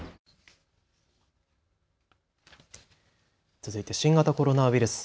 続いて新型コロナウイルス。